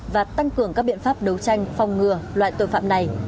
và tăng cường các biện pháp đấu tranh phòng ngừa loại tội phạm này